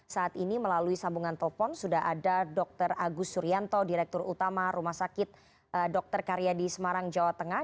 saat ini melalui sambungan telepon sudah ada dr agus suryanto direktur utama rumah sakit dr karyadi semarang jawa tengah